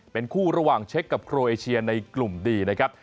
เป็นคู่ระหว่างเช็คกับโครเอเชียในกลุ่มดีนะครับ